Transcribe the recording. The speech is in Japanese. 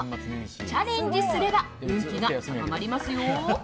チャレンジすれば運気が高まりますよ。